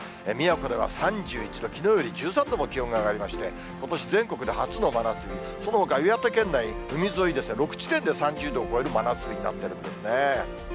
宮古では３１度、きのうより１３度も気温が上がりまして、ことし全国で初の真夏日、そのほか岩手県内、海沿い６地点で、３０度を超える真夏日になっているんですね。